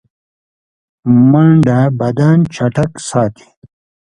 منډه بدن چټک ساتي